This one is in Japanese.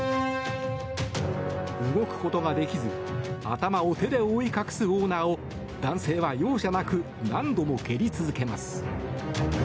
動くことができず頭を手で覆い隠すオーナーを男性は容赦なく何度も蹴り続けます。